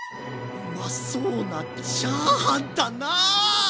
うまそうなチャーハンだな。